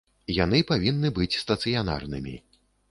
Яны павінны быць стацыянарнымі.